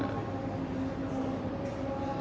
dari kompetitor banyak